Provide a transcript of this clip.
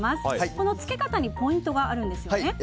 このつけ方にポイントがあるんですよね。